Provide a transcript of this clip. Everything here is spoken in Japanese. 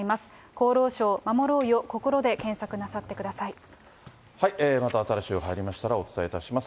厚労省まもろうよこころで検索なまた新しい情報入りましたらお伝えいたします。